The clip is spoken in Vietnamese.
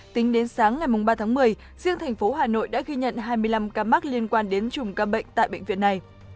tính đến sáng ngày ba tháng một mươi riêng thành phố hà nội đã ghi nhận hai mươi năm ca mắc liên quan đến chùm ca bệnh tại bệnh viện này